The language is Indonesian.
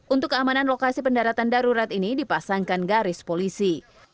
untuk keamanan lokasi pendaratan darurat ini dipasangkan garis polisi